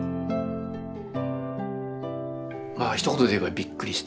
まあひと言で言えばびっくりしたうん。